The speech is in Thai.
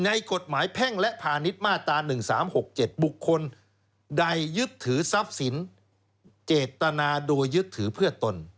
ในกฎหมายแพ่งและพาณิชย์มาตรา๑๓๖๗บุคคลใดยึดถือทรัพย์สินเจตนาโดยยึดถือเพื่อตน